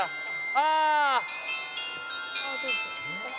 ああ！